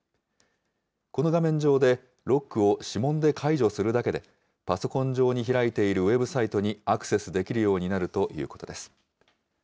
この画面上で、ロックを指紋で解除するだけで、パソコン上に開いているウェブサイトにアクセスできるようになるということです。